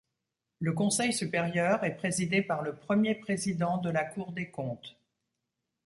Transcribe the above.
Le conseil supérieur est présidé par le premier président de la Cour des comptes.